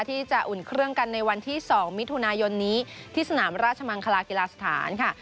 อุ่นเครื่องกันในวันที่๒มิถุนายนนี้ที่สนามราชมังคลากีฬาสถานค่ะ